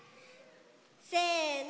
せの。